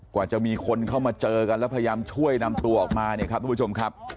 กว่าจะมีคนเข้ามาเจอกันแล้วพยายามช่วยนำตัวออกมาเนี่ยครับทุกผู้ชมครับ